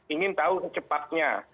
ingin tahu secepatnya